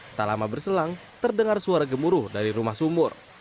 tak lama berselang terdengar suara gemuruh dari rumah sumur